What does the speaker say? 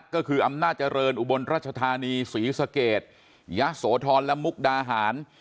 ก็คืออำนาจเจริญอุบลรัชธานีศรีสะเกดยะโสธรและมุกดาหาร